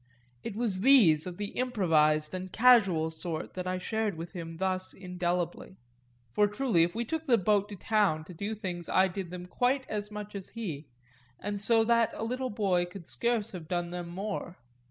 It was these of the improvised and casual sort that I shared with him thus indelibly; for truly if we took the boat to town to do things I did them quite as much as he, and so that a little boy could scarce have done them more.